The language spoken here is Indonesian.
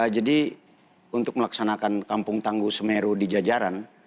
jadi untuk melaksanakan kampung tangguh semeru di jajaran